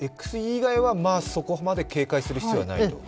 ＸＥ以外はそれほど警戒する必要はない？